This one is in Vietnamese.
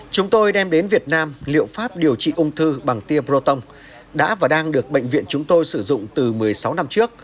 chúng tôi đem đến việt nam liệu pháp điều trị ung thư bằng tia proton đã và đang được bệnh viện chúng tôi sử dụng từ một mươi sáu năm trước